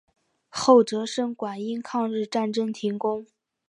后哲生馆因抗日战争停工。